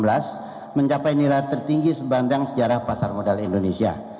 pada tahun dua ribu enam belas mencapai nilai tertinggi sepanjang sejarah pasar modal indonesia